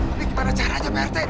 ini gimana caranya prt